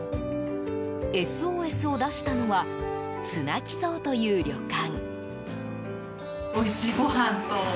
ＳＯＳを出したのは綱城荘という旅館。